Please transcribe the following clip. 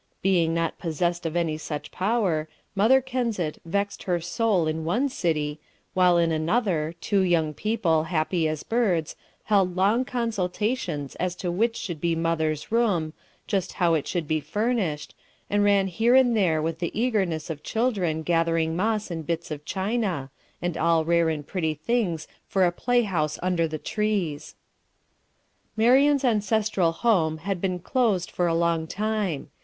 Being not possessed of any such power, mother Kensett vexed her soul in one city, while in another, two young people, happy as birds, held long consultations as to which should be mother's room, just how it should be furnished, and ran here and there with the eagerness of children gathering moss and bits of china, and all rare and pretty things for a play house under the trees. Marian's ancestral home had been closed for a long time.